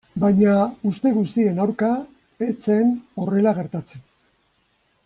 Baina, uste guztien aurka, ez zen horrela gertatzen.